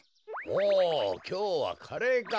おおきょうはカレーか。